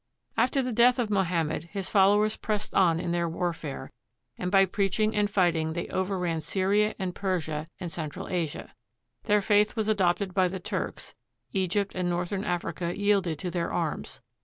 After the death of Mohammed, his followers pressed on in their warfare, and by preaching and fighting they overran Syria and Persia and Central Asia. Their faith was adopted by the Turks; Egypt and northern Africa yielded to their arms.